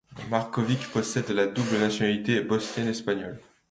Marković possède la double nationalité bosnien-espagnole.